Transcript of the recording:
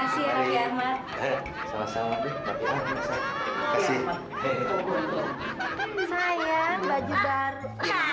sayang baju baru